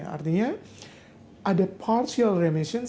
artinya ada partial remission